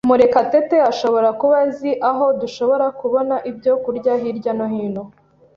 Murekatete ashobora kuba azi aho dushobora kubona ibyo kurya hirya no hino.